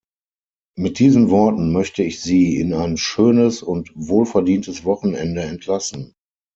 Mit diesen Worten möchte ich Sie in ein schönes und wohlverdientes Wochenende entlassen.